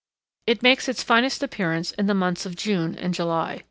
It makes its finest appearance in the months of June and July.